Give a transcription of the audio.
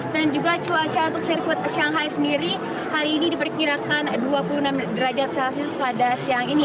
dan juga cuaca untuk sirkuit shanghai sendiri hari ini diperkirakan dua puluh enam derajat celcius pada siang ini